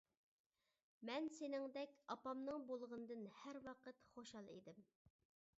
مەن سېنىڭدەك ئاپامنىڭ بولغىنىدىن ھەر ۋاقىت خۇشال ئىدىم.